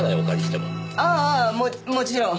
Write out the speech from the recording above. ああももちろん。